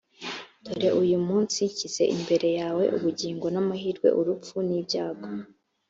dore uyu munsi nshyize imbere yawe ubugingo n’amahirwe, urupfu n’ibyago;